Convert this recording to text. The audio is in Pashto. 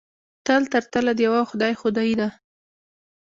تل تر تله د یوه خدای خدایي ده.